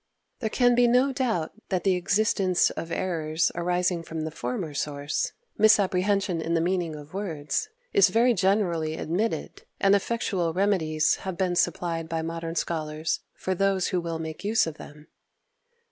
There can be no doubt that the existence of errors arising from the former source misapprehension of the meaning of words is very generally admitted, and effectual remedies have been supplied by modern scholars for those who will make use of them.